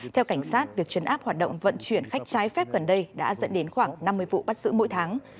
theo cảnh sát việc chấn áp hoạt động vận chuyển khách trái phép gần đây đã dẫn đến khoảng năm mươi vụ bắt giữ mỗi tháng